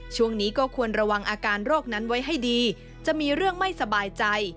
ช่วงนี้ก็ควรระวังอาการโรคนั้นไว้ให้ดีจะมีเรื่องไม่สบายใจ